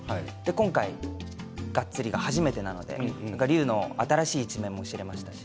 今回がっつりが初めてなので何か隆の新しい一面も知れましたし。